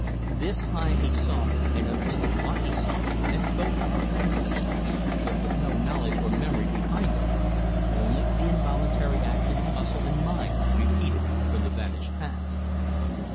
This time he saw, and understood what he saw, and spoke as men speak, but with no knowledge or memory behind it only the involuntary action of muscle and mind repeated from the vanished past.